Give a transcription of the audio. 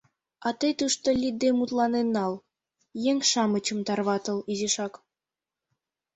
А тый тушто лӱдде мутланен нал, еҥ-шамычым тарватыл изишак.